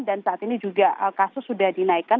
dan saat ini juga kasus sudah dinaikkan